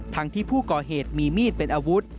ทั้งที่ผู้ก่อเหตุมีมีดเป็นอาวุธ